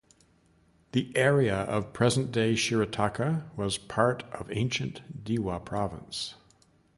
The area of present-day Shirataka was part of ancient Dewa Province.